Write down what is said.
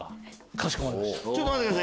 かしこまりました。